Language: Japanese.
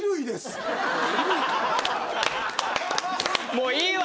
もういいわ。